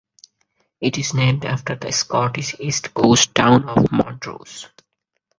It is named after the Scottish east coast town of Montrose.